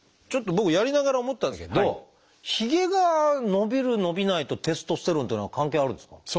ちょっと僕やりながら思ったんですけどひげが伸びる伸びないとテストステロンっていうのは関係あるんですか？